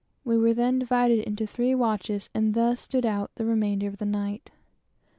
We were then divided into three watches, and thus stood out the remainder of the night.